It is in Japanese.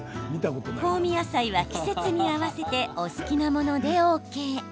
香味野菜は季節に合わせてお好きなものでＯＫ。